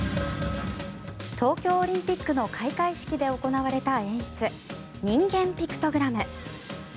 東京オリンピックの開会式で行われた演出人間ピクトグラム。